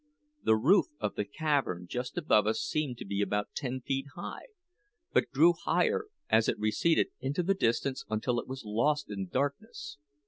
The roof of the cavern just above us seemed to be about ten feet high, but grew higher as it receded into the distance until it was lost in darkness.